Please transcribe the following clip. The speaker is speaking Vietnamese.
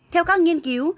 theo các nghiên cứu